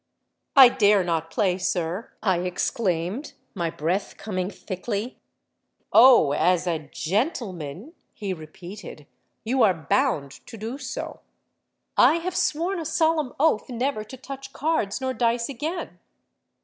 —'I dare not play, sir,' I exclaimed, my breath coming thickly.—'Oh! as a gentleman,' he repeated, 'you are bound to do so.'—'I have sworn a solemn oath never to touch cards nor dice again.'